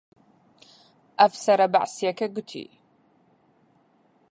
ئەفسەرە بەعسییەکە گوتی: